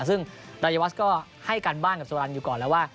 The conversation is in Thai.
ซึ่งรายวัชก็ให้การบ้านกับสุรรณอยู่ก่อนแล้วว่า